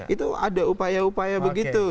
itu ada upaya upaya begitu